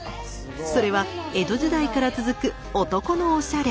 それは江戸時代から続く男のおしゃれ。